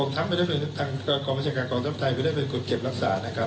ทางกองทัพไม่ได้เป็นคนเก็บรักษานะครับ